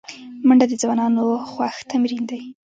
منډه د ځوانانو خوښ تمرین دی